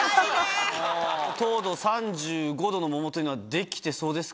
糖度３５度の桃というのはできてそうですか？